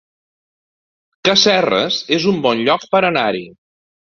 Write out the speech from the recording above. Casserres es un bon lloc per anar-hi